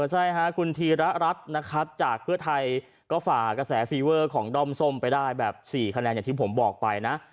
ใช่ค่ะคุณธีระรัฐนะครับจากเพื่อไทยก็ฝ่ากระแสฟีเวอร์ของด้อมส้มไปได้แบบ๔คะแนนอย่างที่ผมบอกไปนะ